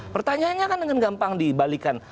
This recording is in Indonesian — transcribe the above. pertanyaannya kan dengan gampang dibalikan